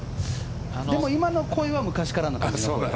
でも今の声は昔からの感じ。